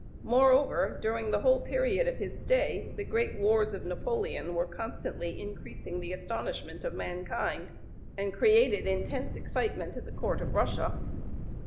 Moreover, during the whole period of his stay the great wars of Napoleon were constantly increasing the astonishment of mankind, and created intense excitement at the Court of Russia.